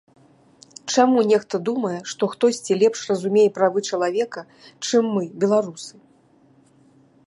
Чаму нехта думае, што хтосьці лепш разумее правы чалавека, чым мы, беларусы?